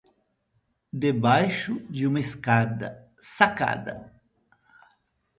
De baixo de uma sacada.